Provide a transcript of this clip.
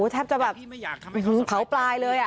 แทบจะแบบเผาปลายเลย